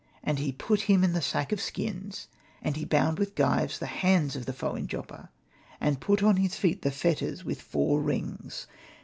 He put him in the sack of skins and he bound with gyves the hands of the Foe in Joppa, and put on his feet the fetters SMITINC; THE FOE with four rings.